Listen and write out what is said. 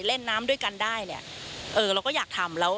เล่นน้ำด้วยกันได้เนี่ยเออเราก็อยากทำแล้ว